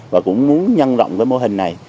và cũng muốn nhân rộng mô hình này